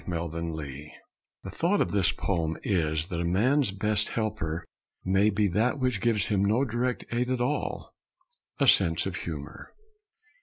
_ HIS ALLY The thought of this poem is that a man's best helper may be that which gives him no direct aid at all a sense of humor.